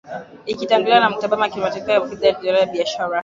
ikitanguliwa na Mkataba wa Kimataifa juu ya Forodha na Biashara